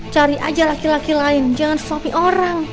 cari aja laki laki lain jangan shopee orang